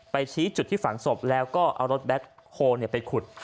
ชี้จุดที่ฝังศพแล้วก็เอารถแบ็คโฮลไปขุด